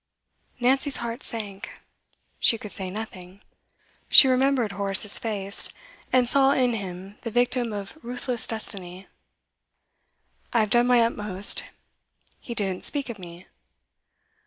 'Nancy's heart sank. She could say nothing. She remembered Horace's face, and saw in him the victim of ruthless destiny. 'I have done my utmost. He didn't speak of me?